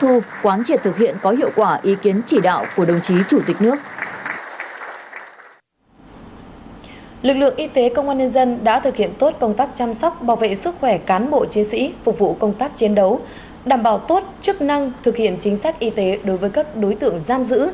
phục vụ công tác chiến đấu đảm bảo tốt chức năng thực hiện chính sách y tế đối với các đối tượng giam giữ